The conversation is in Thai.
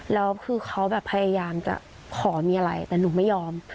แล้วคือเขาแบบพยายามจะขอมีอะไรแต่หนูไม่ยอม